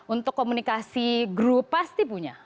untuk komunikasi grup pasti punya